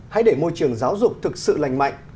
hãy để môi trường giáo dục thực sự lành mạnh